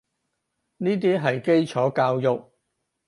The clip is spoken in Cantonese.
呢啲係基礎教育